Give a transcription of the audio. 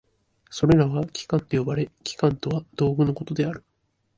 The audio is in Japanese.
それらは器官と呼ばれ、器官とは道具のことである。